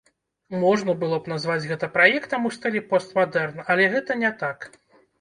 Можна было б назваць гэта праектам у стылі пост-мадэрн, але гэта не так.